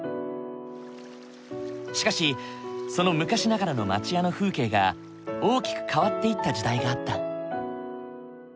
しかしその昔ながらの町家の風景が大きく変わっていった時代があった。